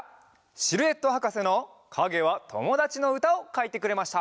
シルエットはかせの「かげはともだち」のうたをかいてくれました。